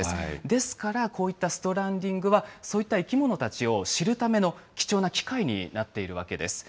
ですから、こういったストランディングは、そういった生き物たちを知るための貴重な機会になっているわけです。